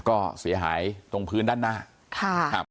ก็เสียหายตรงพื้นด้านหน้าค่ะครับ